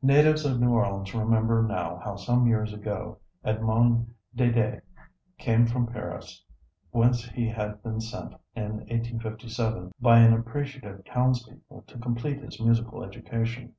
Natives of New Orleans remember now how some years ago Edmond D├®d├® came from Paris, whence he had been sent in 1857 by an appreciative townspeople to complete his musical education.